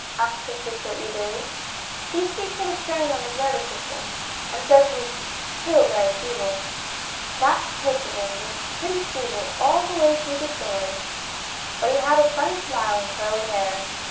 asked her sister eagerly. " He speaks of a strain on his nervous system, and says he is still very feeble." That Percival was pretty feeble all the way through the story. But he had a sunny smile and curly hair.